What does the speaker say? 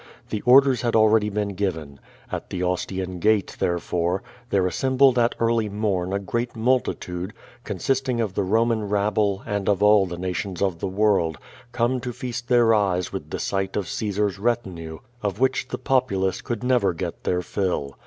The orders had already been given. At the Ostian Gate, therefore, there assembled at early morn a great multitude, consisting of the Boman rabble, and of all the nations of the world, come to feast their eyes with the sight of Caesar's retinue, of which the populace could never get their fill.